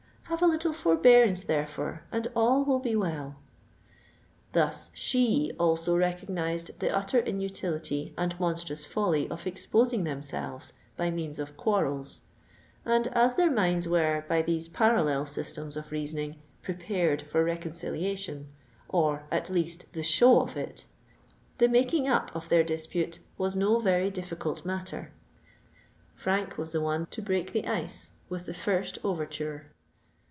Have a little forbearance, therefore, and all will be well." Thus she also recognised the utter inutility and monstrous folly of exposing themselves by means of quarrels; and as their minds were, by these parallel systems of reasoning, prepared for reconciliation—or at least the show of it—the making up of their dispute was no very difficult matter. Frank was the one to break the ice with the first overture.